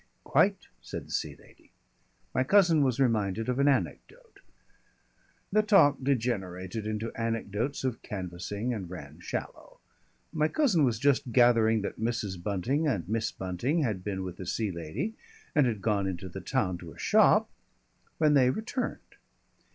"Quite," said the Sea Lady. My cousin was reminded of an anecdote. The talk degenerated into anecdotes of canvassing, and ran shallow. My cousin was just gathering that Mrs. Bunting and Miss Bunting had been with the Sea Lady and had gone into the town to a shop, when they returned.